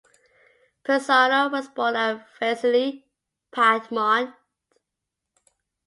Persano was born at Vercelli, Piedmont.